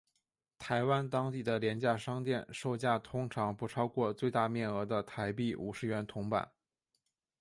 台湾当地的廉价商店售价通常不超过最大面额的台币五十元铜板。